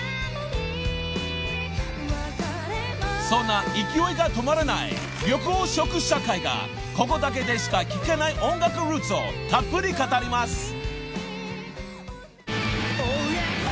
［そんな勢いが止まらない緑黄色社会がここだけでしか聞けない音楽ルーツをたっぷり語ります］